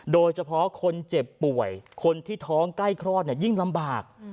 โดยเฉพาะคนเจ็บป่วยคนที่ท้องใกล้คลอดยิ่งลำบาก